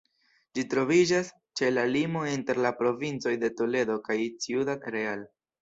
Ĝi troviĝas ĉe la limo inter la provincoj de Toledo kaj Ciudad Real.